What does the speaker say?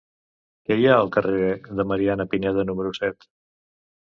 Què hi ha al carrer de Mariana Pineda número set?